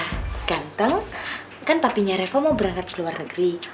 ganteng kan papinya reko mau berangkat ke luar negeri